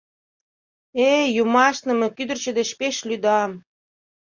Эй, юмашне, мый кӱдырчӧ деч пеш лӱдам...